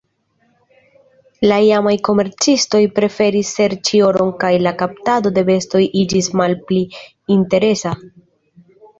La iamaj komercistoj preferis serĉi oron kaj la kaptado de bestoj iĝis malpli interesa.